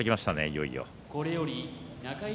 いよいよ。